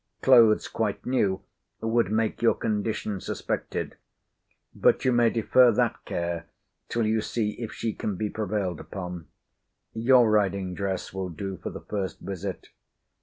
Clothes quite new would make your condition suspected. But you may defer that care, till you see if she can be prevailed upon. Your riding dress will do for the first visit.